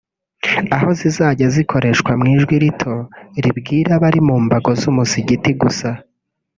aho zizajya zikoreshwa mu ijwi rito ribwira abari mu mbago z’umusigiti gusa